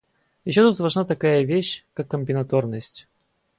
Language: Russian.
Еще тут важна такая вещь, как комбинаторность.